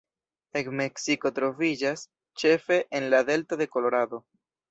En Meksiko troviĝas ĉefe en la delto de Kolorado.